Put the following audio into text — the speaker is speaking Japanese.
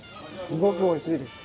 すごくおいしいです。